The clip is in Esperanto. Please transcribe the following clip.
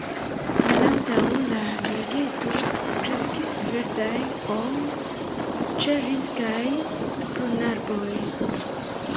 Malantaŭ la lageto kreskis verdaj pom-, ĉeriz- kaj prunarboj.